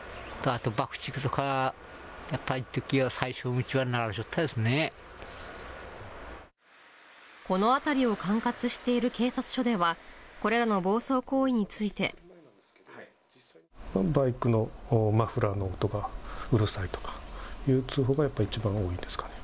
あと爆竹とか、この辺りを管轄している警察署では、これらの暴走行為について。バイクのマフラーの音がうるさいとかいう通報が、やっぱり一番多いですかね。